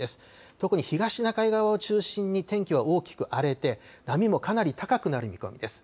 特に東シナ海側を中心に、天気は大きく荒れて、波もかなり高くなる見込みです。